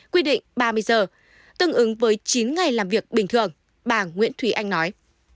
quy định ba mươi giờ tương ứng với chín ngày làm việc bình thường bà nguyễn thúy anh nói